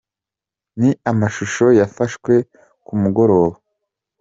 Ni amashusho yafashwe ku mugoroba.